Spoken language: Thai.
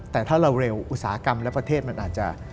แต่ถ้าเราเร็วอุตสาหกรรมและประเทศมันอาจจะ